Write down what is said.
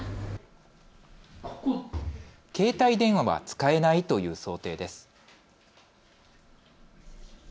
携帯電話は使えないという想定です。